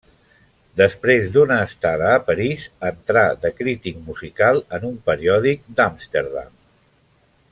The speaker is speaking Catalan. Després d'una estada a París, entrà de crític musical en un periòdic d'Amsterdam.